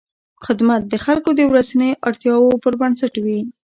خدمت د خلکو د ورځنیو اړتیاوو پر بنسټ وي.